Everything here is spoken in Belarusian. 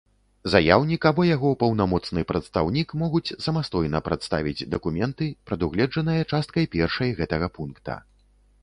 Заяўнiк або яго паўнамоцны прадстаўнiк могуць самастойна прадставiць дакументы, прадугледжаныя часткай першай гэтага пункта.